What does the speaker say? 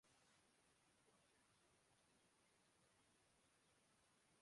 اعلی سطحی اجلاس جی ایس پی پلس کے اسٹیٹس کیلئے کوششوں کا جائزہ